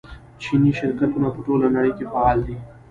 چیني شرکتونه په ټوله نړۍ کې فعال دي.